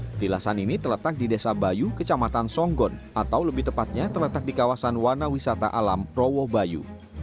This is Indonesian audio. petilasan ini terletak di desa bayu kecamatan songgon atau lebih tepatnya terletak di kawasan warna wisata alam rowo bayu